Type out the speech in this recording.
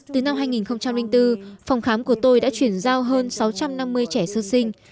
từ năm hai nghìn bốn phòng khám của tôi đã chuyển giao hơn sáu trăm năm mươi trẻ sơ sinh